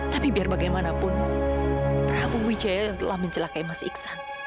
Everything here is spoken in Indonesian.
tapi biar bagaimanapun prabu jaya telah mencelakai mas iksan